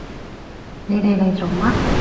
你哋嚟做乜？